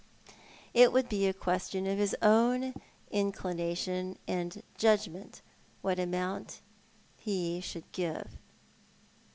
It would be a question of his own inclination and judgment what amount he should give."